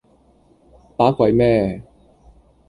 把鬼咩